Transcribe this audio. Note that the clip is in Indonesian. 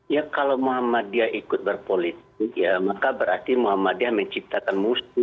ya kalau muhammadiyah ikut berpolitik ya maka berarti muhammadiyah menciptakan musuh